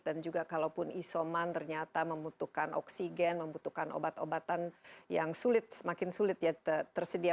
dan juga kalaupun isoman ternyata membutuhkan oksigen membutuhkan obat obatan yang sulit semakin sulit ya tersedia